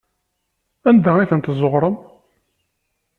Anda ay ten-tezzuɣrem?